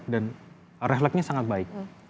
dan refleksinya sangat baik